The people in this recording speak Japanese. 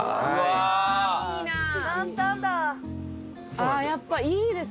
ああやっぱ。